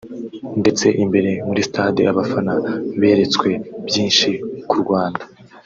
ndetse imbere muri stade abafana beretswe byinshi ku Rwanda